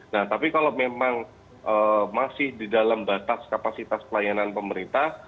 nah tapi kalau memang masih di dalam batas kapasitas pelayanan pemerintah